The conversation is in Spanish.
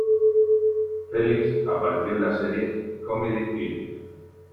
Felix apareció en la serie "Comedy Inc.